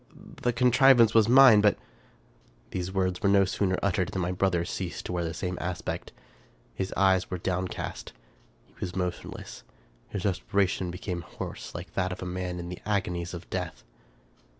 The contrivance was mine, but " These words were no sooner uttered, than my brother ceased to wear the same aspect. His eyes were downcast ; he was motionless ; his respiration became hoarse, like that of a man in the agonies of death.